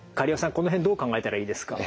この辺どう考えたらいいですか？